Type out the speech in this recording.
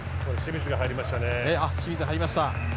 清水が入りましたね。